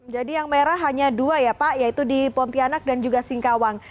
jadi yang merah hanya dua ya pak yaitu di pontianak dan juga singkawang